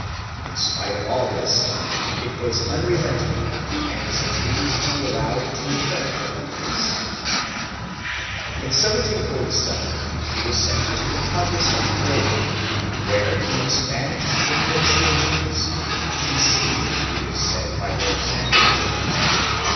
2 In spite of all this it was unrelenting and his entreaties to be allowed to return were fruitless. In 1747 he was sent to the Congress of Breda where he mis managed the negotiations, deceived, it is said, by Lord Sand wich.